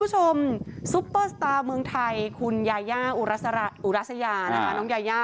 สวัสดีคุณผู้ชมซุปเปอร์สตาร์เมืองไทยคุณญาย่าอูราสยาน